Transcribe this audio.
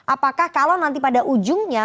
apakah kalau nanti pada ujungnya